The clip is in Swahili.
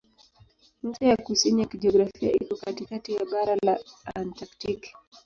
Ncha ya kusini ya kijiografia iko katikati ya bara la Antaktiki.